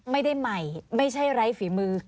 ไม่ได้ใหม่ไม่ใช่ไร้ฝีมือ